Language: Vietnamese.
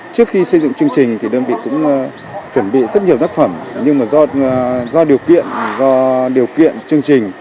chương trình thì đơn vị cũng chuẩn bị rất nhiều tác phẩm nhưng mà do điều kiện do điều kiện chương trình